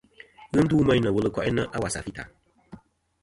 Ghɨ ndu meyn nɨ̀ wul ɨ ko'inɨ a wasà fità.